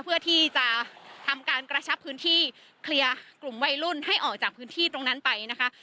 เพื่อที่จะทำการกระชับพื้นที่เคลียร์กลุ่มวัยรุ่นให้ออกจากพื้นที่ตรงนั้นไปนะคะ